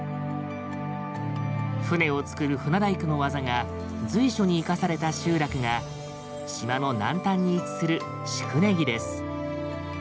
船をつくる船大工の技が随所に生かされた集落が島の南端に位置する宿根木です。